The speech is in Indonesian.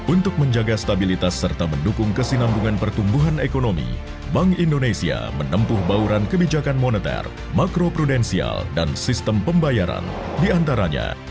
untuk menjaga stabilitas serta mendukung kesinambungan pertumbuhan ekonomi bank indonesia menempuh bauran kebijakan moneter makro prudensial dan sistem pembayaran diantaranya